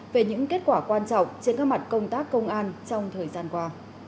về những kết quả quan trọng trên các mặt công tác công an trong thời gian qua